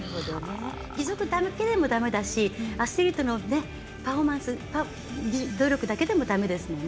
義足だけでもだめだしアスリートのパフォーマンス努力だけでもだめですもんね。